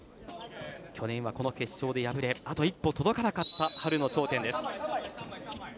去年はこの決勝で敗れあと一歩届かなかった春の頂点です。